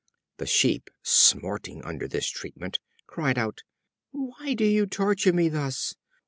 The Sheep, smarting under this treatment, cried out: "Why do you torture me thus?